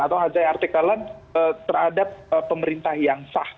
atau hasil artikulan terhadap pemerintah yang sah